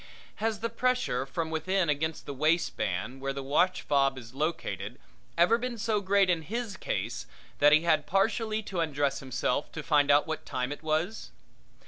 Has the pressure from within against the waistband where the watchfob is located ever been so great in his case that he had partially to undress himself to find out what time it was?